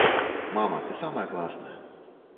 Мама, ты самая класная.